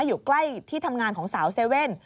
อยู่ใกล้ที่ทำงานของสาวเซเว่น